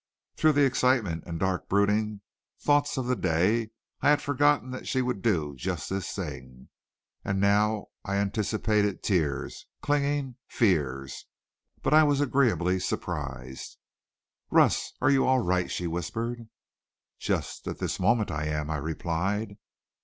Through the excitement and dark boding thoughts of the day, I had forgotten that she would do just this thing. And now I anticipated tears, clingings, fears. But I was agreeably surprised. "Russ, are you all right?" she whispered. "Just at this moment I am," I replied.